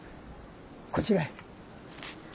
こちらへ。